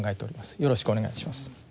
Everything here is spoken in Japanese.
よろしくお願いします。